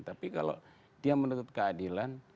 tapi kalau dia menuntut keadilan